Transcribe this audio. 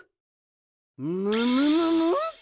むむむむっ！